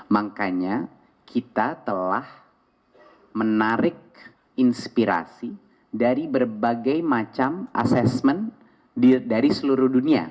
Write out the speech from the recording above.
makanya kita telah menarik inspirasi dari berbagai macam assessment dari seluruh dunia